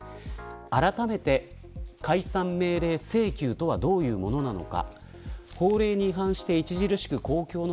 あらためて解散命令請求とはどういうものなのか。